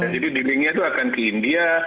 jadi di ringan itu akan ke india